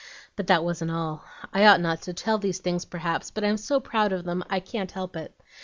But that wasn't all. I ought not to tell these things, perhaps, but I'm so proud of them I can't help it.